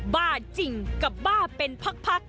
บ้าจริงกับบ้าเป็นพัก